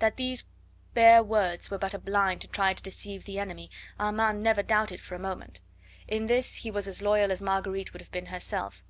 That these bare words were but a blind to deceive the enemy Armand never doubted for a moment. In this he was as loyal as Marguerite would have been herself.